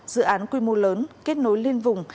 dự án quy mô lớn kết nối liên vùng